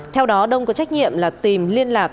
theo đó đông có trách nhiệm là tìm liên lạc